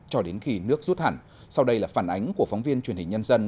cho đến khi nước rút hẳn sau đây là phản ánh của phóng viên truyền hình nhân dân